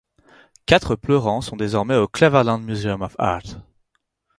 Quatre pleurants sont désormais au Cleveland Museum of Art.